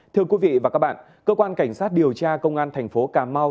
thưa quý vị và các bạn cơ quan cảnh sát điều tra công an tp ca mau